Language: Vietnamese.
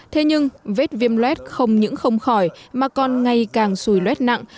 thế nhưng vết viêm loét không những không khỏi mà còn ngày càng xùi loét nặng